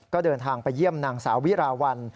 ก็เดินทางไปเยี่ยมนางสาววิราวัล